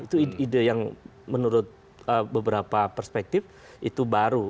itu ide yang menurut beberapa perspektif itu baru